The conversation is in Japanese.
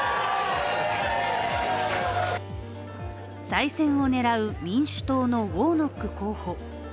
再選を狙う民主党のウォーノック候補。